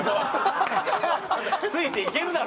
ついていけるだろ！